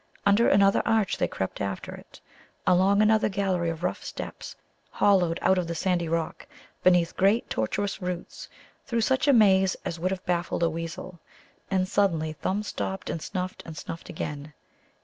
Under another arch they crept after it, along another gallery of rough steps, hollowed out of the sandy rock, beneath great tortuous roots, through such a maze as would have baffled a weasel. And suddenly Thumb stopped and snuffed and snuffed again.